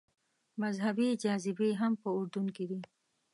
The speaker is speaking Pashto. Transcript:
مذهبي جاذبې هم په اردن کې دي.